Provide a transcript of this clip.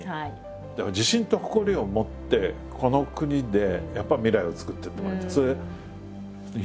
だから自信と誇りを持ってこの国でやっぱり未来を作っていってもらいたい。